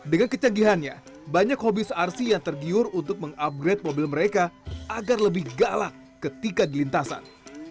dengan kecanggihannya banyak hobis rc yang tergiur untuk mengupgrade mobil mereka agar lebih galak ketika di lintasan